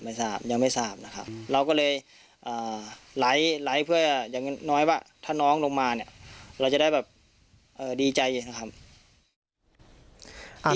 ยังไม่ทราบนะครับเราก็เลยไลฟ์เพื่ออย่างน้อยว่าถ้าน้องลงมาเนี่ยเราจะได้แบบดีใจเย็นนะครับ